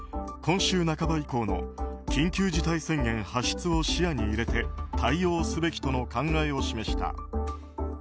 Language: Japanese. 今週半ば以降の緊急事態宣言発出を視野に入れて対応すべきとの考えを示した。